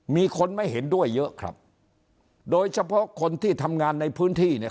มีคนไม่เห็นด้วยเยอะครับโดยเฉพาะคนที่ทำงานในพื้นที่เนี่ย